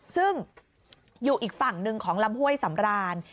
ซึ่งอยู่อีกฝั่งหนึ่งของลำห้วยสำราน